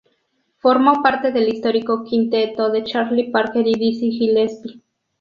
Formó parte del histórico quinteto de Charlie Parker y Dizzy Gillespie.